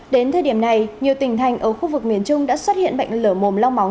đến thời điểm này nhiều tỉnh thành ở khu vực miền trung đã xuất hiện bệnh lở mồm long móng